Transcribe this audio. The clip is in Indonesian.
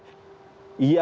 milikan luxury menurut mereka